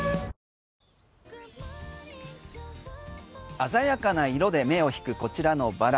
鮮やかな色で目を引くこちらのバラ。